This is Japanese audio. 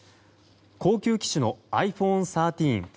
高級機種のｉＰｈｏｎｅ１３